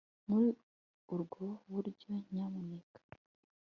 muri ubwo buryo, nyamuneka